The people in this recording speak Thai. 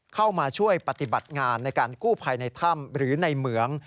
เข้ามาช่วยปฏิบัติงานในการกู้ภัยในถ้ำหรือในเหมือง